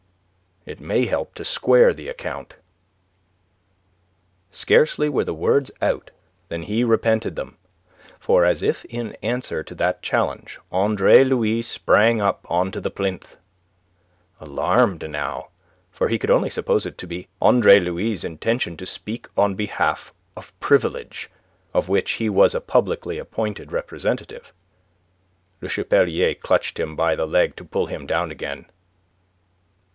It may help to square the account." Scarcely were the words out than he repented them; for as if in answer to that challenge Andre Louis sprang up on to the plinth. Alarmed now, for he could only suppose it to be Andre Louis' intention to speak on behalf of Privilege, of which he was a publicly appointed representative, Le Chapelier clutched him by the leg to pull him down again.